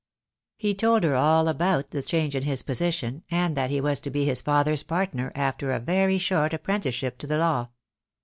He told her all about the change in his position, and that he was to be his father's partner after a very short apprenticeship to the law.